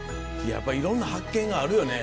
やっぱいろんな発見があるよね。